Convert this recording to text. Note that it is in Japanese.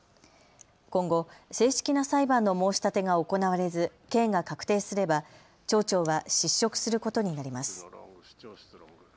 今後、正式な裁判の申し立てが行われず刑が確定すれば町長は失職することになります。